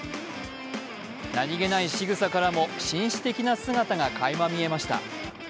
何気ないしぐさからも紳士的な姿がかいま見えました。